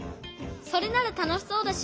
それならたのしそうだし